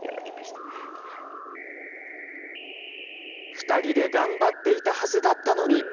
２人で頑張っていたはずだったのに。